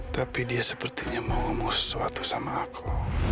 tapi dia sepertinya mau ngomong sesuatu sama aku